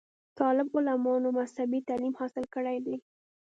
طالب علمانومذهبي تعليم حاصل کړے دے